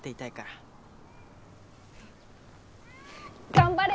頑張れ！